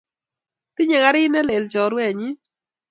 Tinye karit ne lel chorwennyi